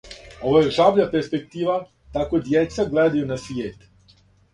Ово је жабља перспектива, тако дјеца гледају на свијет.